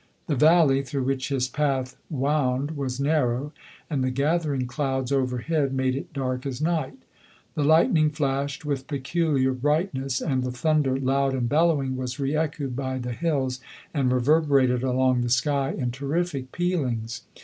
The valley, through which his path f 2 100 lodori:. wound, was narrow, and the gathering clouds over head made it dark as night : the light ning flashed with peculiar brightness ; and the thunder, loud and bellowing, was re echoed by the hills, and reverberated along the sky in terrific pealings.